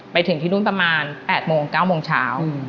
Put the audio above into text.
ไปถึงที่นู่นประมาณ๘โมง๙โมงเช้า